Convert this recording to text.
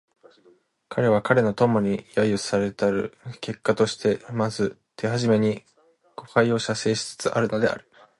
彼は彼の友に揶揄せられたる結果としてまず手初めに吾輩を写生しつつあるのである